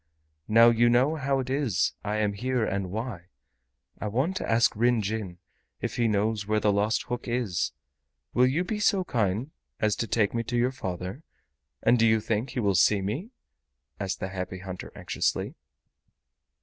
Now you know how it is I am here and why. I want to ask Ryn Jin, if he knows where the lost hook is. Will you be so kind as to take me to your father? And do you think he will see me?" asked the Happy Hunter anxiously.